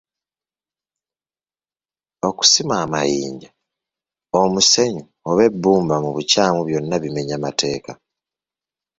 Okusima amayinja, omusenyu oba ebbumba mu bukyamu byonna bimenya mateeka.